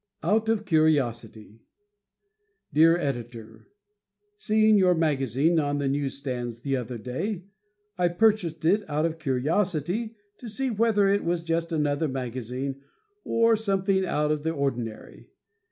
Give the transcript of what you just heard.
"Out of Curiosity" Dear Editor: Seeing your magazine on the newsstands the other day, I purchased it out of curiosity to see whether it was just another magazine or something out of the ordinary.